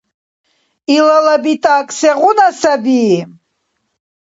Илала битӀакӀ сегъуна саби?